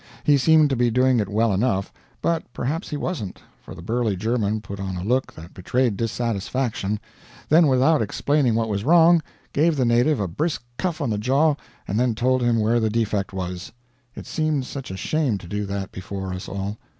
He seemed to be doing it well enough, but perhaps he wasn't, for the burly German put on a look that betrayed dissatisfaction, then without explaining what was wrong, gave the native a brisk cuff on the jaw and then told him where the defect was. It seemed such a shame to do that before us all.